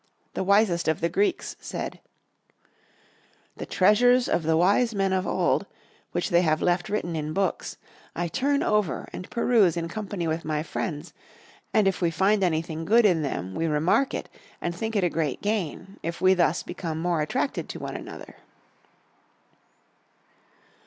The wisest of the Greeks said: "The treasures of the wise men of old, which they have left written in books, I turn over and peruse in company with my friends, and if we find anything good in them, we remark it, and think it a great gain, if we thus become more attracted to one another."